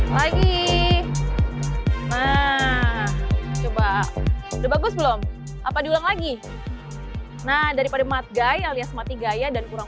lagi coba udah bagus belum apa diulang lagi nah daripada matgai alias mati gaya dan kurang